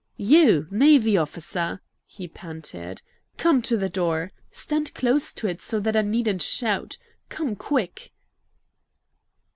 "You, navy officer!" he panted. "Come to the door! Stand close to it so that I needn't shout. Come, quick!"